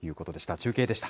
中継でした。